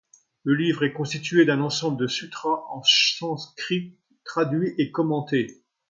Le livre est constitué d'un ensemble de Sûtra en Sanskrit, traduits et commentés.